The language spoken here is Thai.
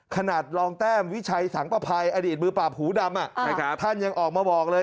ขนาดรองแต้มวิชัยสังประภัยอดีตมือปราบหูดำท่านยังออกมาบอกเลย